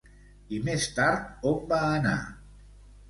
I més tard on va anar?